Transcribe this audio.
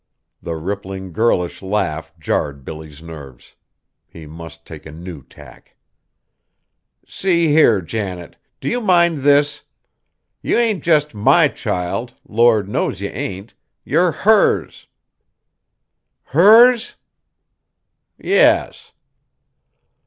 The rippling, girlish laugh jarred Billy's nerves. He must take a new tack. "See here, Janet, do ye mind this? Ye ain't jes' my child Lord knows ye ain't yer hers!" "Hers?" "Yes."